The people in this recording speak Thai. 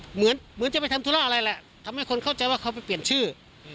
เหมือนจะไปทำธุระอะไรแหละทำให้คนเข้าใจว่าเขาไปเปลี่ยนชื่อ